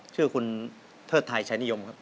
ชื่อคุณเทิดไทยชายนิยมครับ